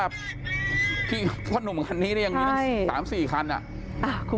พี่พ่อหนุ่มคันนี้เนี้ยใช่ยังมีนักสามสี่คันอ่ะอ่า